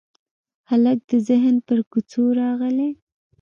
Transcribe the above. هلک د ذهن پر کوڅو راغلی